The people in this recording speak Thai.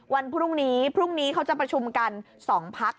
วันพรุ่งนี้เขาจะประชุมกัน๒พัก